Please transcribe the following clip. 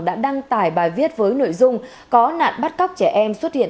đã đăng tải bài viết với nội dung có nạn bắt cóc trẻ em xuất hiện